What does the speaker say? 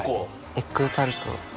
エッグタルト！